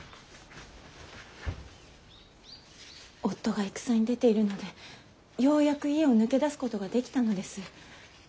夫が戦に出ているのでようやく家を抜け出すことができたのです。